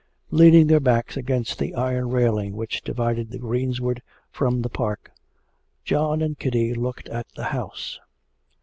Leaning their backs against the iron railing which divided the greensward from the park, John and Kitty looked at the house.